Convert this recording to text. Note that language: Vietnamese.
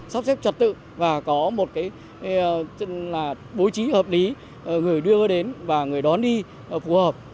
sắp xếp trật tự và có một cái bố trí hợp lý người đưa đến và người đón đi phù hợp